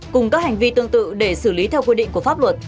cùng các hành vi tương tự để xử lý theo quy định của pháp luật